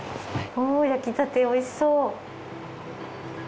おぉ焼きたておいしそう。